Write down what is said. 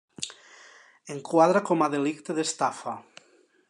Enquadra com a delicte d'estafa.